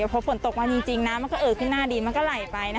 พอฝนตกมาจริงน้ำมันก็เอ่อขึ้นหน้าดินมันก็ไหลไป